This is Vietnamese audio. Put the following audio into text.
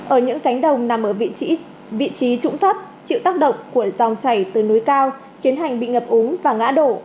ở những cánh đồng nằm ở vị trí trũng thấp chịu tác động của dòng chảy từ núi cao khiến hành bị ngập úng và ngã đổ